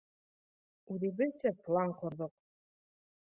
Үҙебеҙсә план ҡорҙоҡ.